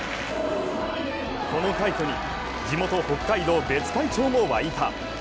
この快挙に、地元・北海道別海町も沸いた。